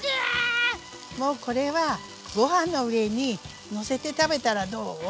もうこれはご飯の上にのせて食べたらどう？